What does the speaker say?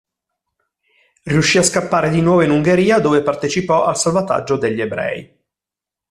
Riuscì a scappare di nuovo in Ungheria, dove partecipò al salvataggio degli ebrei.